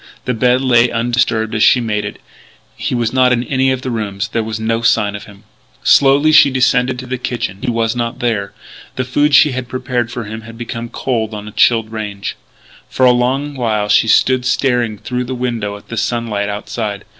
The bed lay undisturbed as she had made it. He was not in any of the rooms; there were no signs of him. Slowly she descended to the kitchen. He was not there. The food she had prepared for him had become cold on a chilled range. For a long while she stood staring through the window at the sunlight outside.